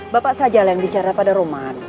bapak saja lah yang bicara pada roman